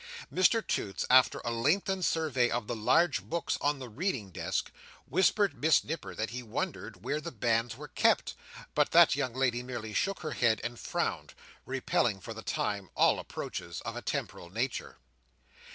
Mr Toots, after a lengthened survey of the large books on the reading desk, whispered Miss Nipper that he wondered where the banns were kept, but that young lady merely shook her head and frowned; repelling for the time all approaches of a temporal nature.